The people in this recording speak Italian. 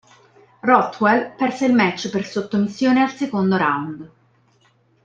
Rothwell perse il match per sottomissione al secondo round.